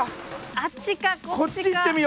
あっちかこっちか。